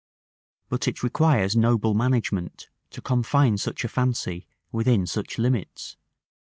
But it requires noble management to confine such a fancy within such limits.